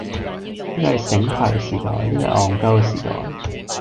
呢個係醒爬嘅時代，呢個係戇鳩嘅時代，